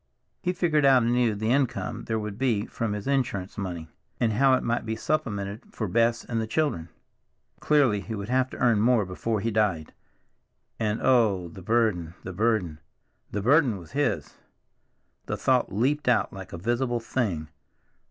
He figured out anew the income there would be from his insurance money, and how it might be supplemented for Bess and the children. Clearly, he would have to earn more before he died. And oh, the burden, the burden, the burden was his! The thought leaped out like a visible thing.